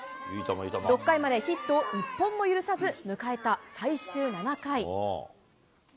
６回までヒットを一本も許さず、迎えた最終７回。